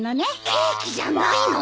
ケーキじゃないの？